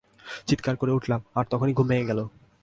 চিৎকার করে উঠলাম, আর তখনই ঘুম ভেঙে গেল।